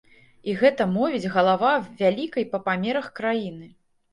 І гэта мовіць галава вялікай па памерах краіны.